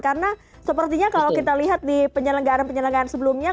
karena sepertinya kalau kita lihat di penyelenggaraan penyelenggaraan sebelumnya